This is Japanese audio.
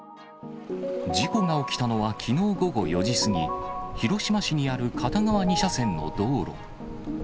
事故が起きたのは、きのう午後４時過ぎ、広島市にある片側２車線の道路。